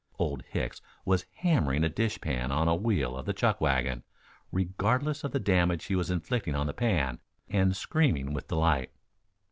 Old Hicks was hammering a dishpan on a wheel of the chuck wagon, regardless of the damage he was inflicting on the pan, and screaming with delight.